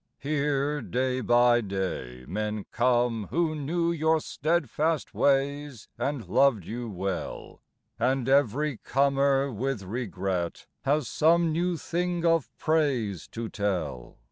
Here day by day men come who knew Your steadfast ways and loved you well; And every comer with regret Has some new thing of praise to tell.